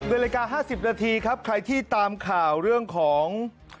นาฬิกา๕๐นาทีครับใครที่ตามข่าวเรื่องของ